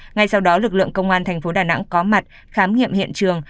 ngay sau đó lực lượng công an thành phố đà nẵng có mặt khám nghiệm hiện trường